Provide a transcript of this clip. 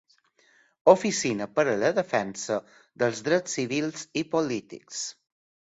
Oficina per a la Defensa dels Drets Civils i Polítics.